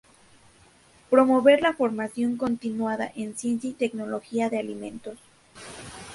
Promover la formación continuada en Ciencia y Tecnología de Alimentos.